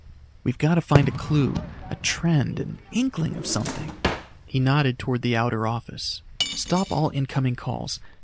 "We've got to find a clue a trend an inkling of something." He nodded toward the outer office. "Stop all in coming calls.